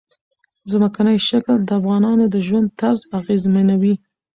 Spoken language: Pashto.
ځمکنی شکل د افغانانو د ژوند طرز اغېزمنوي.